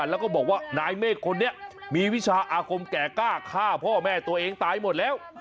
แล้วก็บอกว่านายเมฆคนนี้มีวิชาอาคมแก่กล้าฆ่าพ่อแม่ตัวเองตายหมดแล้ว